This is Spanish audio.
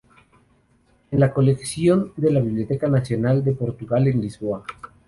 Es en la colección de la Biblioteca Nacional de Portugal, en Lisboa.